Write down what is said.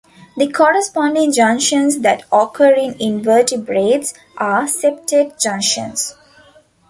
The corresponding junctions that occur in invertebrates are septate junctions.